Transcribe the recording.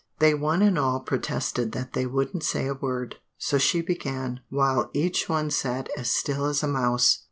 ] They one and all protested that they wouldn't say a word. So she began, while each one sat as still as a mouse.